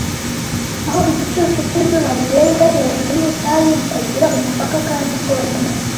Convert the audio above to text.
Aho igicucu cyizuba rirenga hejuru yubutayu butagira umupaka kandi bwonyine,